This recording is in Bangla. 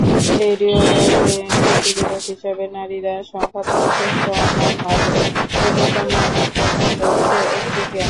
রেডিওতে প্রতিবেদক হিসেবে নারীর সংখ্যা পুরুষের সমহার থেকে কমে হয়েছে এক-তৃতীয়াংশ।